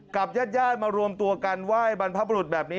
กับญาติญาติมารวมตัวกันไหว้บรรพบรุษแบบนี้